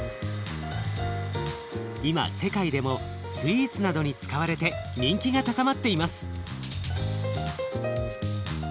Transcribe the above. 今世界でもスイーツなどに使われて人気が高まっています。